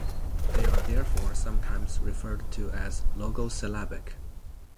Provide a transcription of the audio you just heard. They are therefore sometimes referred to as "logosyllabic".